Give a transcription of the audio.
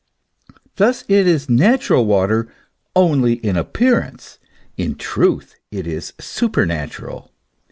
Thus it is natural water only in appearance ; in truth it is supernatural.